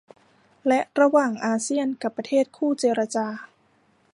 และระหว่างอาเซียนกับประเทศคู่เจรจา